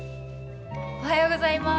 おはようございます。